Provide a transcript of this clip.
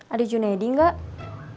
ada junedi enggak